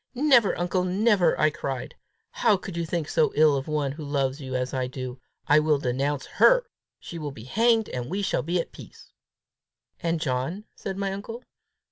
"Never, uncle, never!" I cried. "How can you think so ill of one who loves you as I do! I will denounce her! She will be hanged, and we shall be at peace!" "And John?" said my uncle.